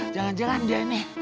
jangan jangan dia ini